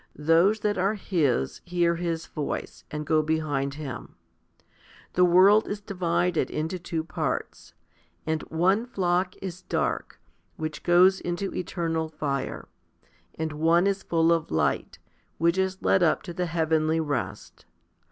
Those that are His hear His voice, and go behind Him. The world is divided into two parts, and one flock is dark, which goes into eternal fire, and one is full of light, which is led up to the heavenly rest.